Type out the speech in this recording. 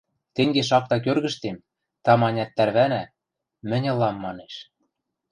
Тенге шакта кӧргӹштем, тама-ӓнят тӓрвӓнӓ, «мӹнь ылам» манеш.